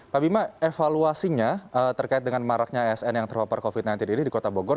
pak bima evaluasinya terkait dengan maraknya asn yang terpapar covid sembilan belas ini di kota bogor